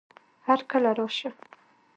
هرکله راشه